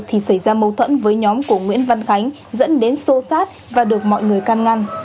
thì xảy ra mâu thuẫn với nhóm của nguyễn văn khánh dẫn đến xô xát và được mọi người can ngăn